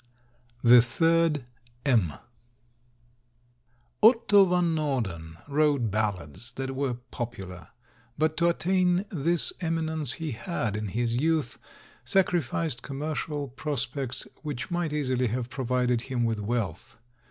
THE THIRD M Otto Van Norden wrote ballads that were popular; but to attain this eminence he had, in his youth, sacrificed commercial prospects which might easily have provided him with wealth.